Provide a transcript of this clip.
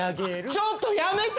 ちょっとやめて！